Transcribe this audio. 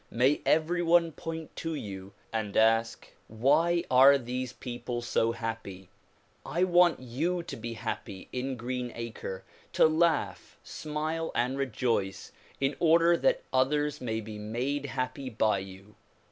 May everyone point to you and ask "Why are these people so happy?" I want you to be happy in Green Acre, to laugh, smile and rejoice in order that others may be made happy by you.